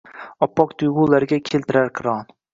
Oppoq tuyg’ularga keltirar qiron.